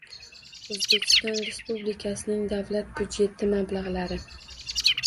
O‘zbekiston Respublikasining Davlat budjeti mablag‘lari